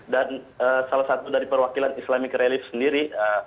dan salah satu dari perwakilan islamic relief sendiri